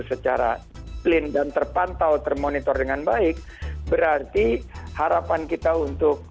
secara clean dan terpantau termonitor dengan baik berarti harapan kita untuk